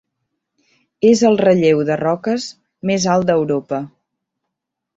És el relleu de roques més alt d'Europa.